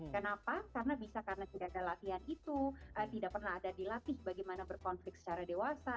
kenapa karena bisa karena tidak ada latihan itu tidak pernah ada dilatih bagaimana berkonflik secara dewasa